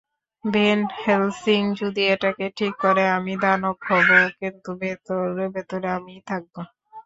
When Helsing যদি এটাকে ঠিক করে আমি দানব হবো কিন্ত ভেতরে ভেতরে আমিই থাকবো।